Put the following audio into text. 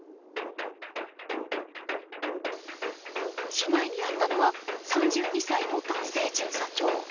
被害に遭ったのは３２歳の男性巡査長。